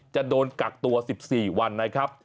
จะโดนกักตัว๑๔วันนะครับ